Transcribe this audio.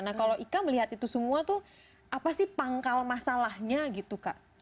nah kalau ika melihat itu semua tuh apa sih pangkal masalahnya gitu kak